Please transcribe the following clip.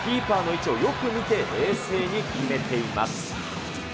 キーパーの位置をよく見て、冷静に決めています。